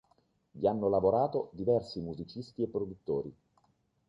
Vi hanno lavorato diversi musicisti e produttori.